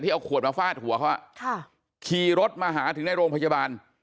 เอาขวดมาฟาดหัวเขาขี่รถมาหาถึงในโรงพยาบาล